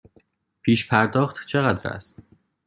پیش پرداخت چقدر است؟